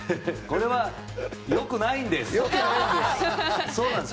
これは良くないんです！